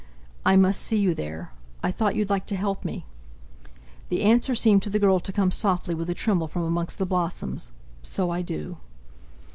"I must see you there—I thought you'd like to help me...." The answer seemed to the girl to come softly with a tremble from amongst the blossoms: "So I do!"